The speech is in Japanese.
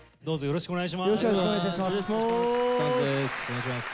よろしくお願いします。